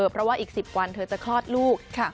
เพราะว่าอีก๑๐วันเธอจะคลอดลูก